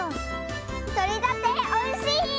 とれたておいしい！